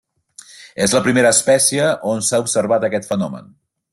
És la primera espècie on s'ha observat aquest fenomen.